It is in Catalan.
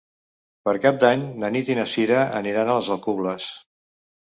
Per Cap d'Any na Nit i na Cira aniran a les Alcubles.